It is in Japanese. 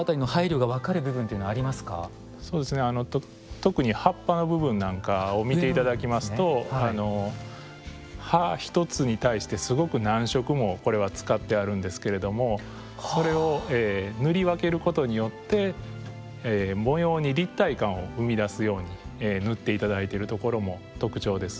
特に葉っぱの部分なんかを見て頂きますと葉１つに対してすごく何色もこれは使ってあるんですけれどもそれを塗り分けることによって模様に立体感を生み出すように塗って頂いてるところも特徴です。